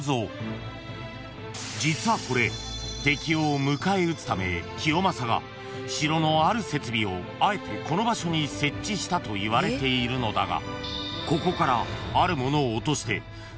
［実はこれ敵を迎え撃つため清正が城のある設備をあえてこの場所に設置したといわれているのだがここから］